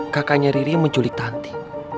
kakaknya riri menculik tanti